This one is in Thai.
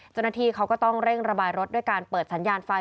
เจ้าหน้าที่เขาก็ต้องเร่งระบายรถด้วยการเปิดสัญญาณไฟ